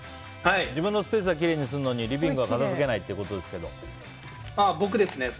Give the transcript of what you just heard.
自分のスペースはきれいにするのにリビングは片付けないということですけど。